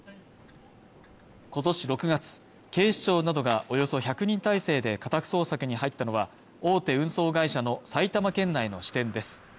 今年６月警視庁などがおよそ１００人態勢で家宅捜索に入ったのは大手運送会社の埼玉県内の支店です